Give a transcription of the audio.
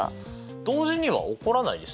同時には起こらないですね。